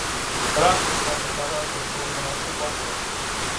پړانګ د ښکار لپاره تر ټولو مناسب وخت ټاکي.